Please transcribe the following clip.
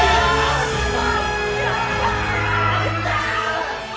やったー！